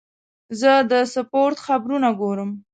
زه د سپورت خبرونه ګورم.